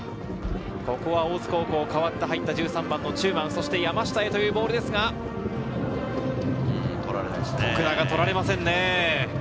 ここは大津高校、代わって入った１３番の中馬、山下へというボールですが、徳永、とられませんね。